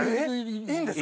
いいんですか？